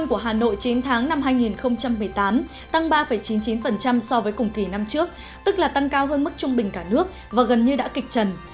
của hà nội chín tháng năm hai nghìn một mươi tám tăng ba chín mươi chín so với cùng kỳ năm trước tức là tăng cao hơn mức trung bình cả nước và gần như đã kịch trần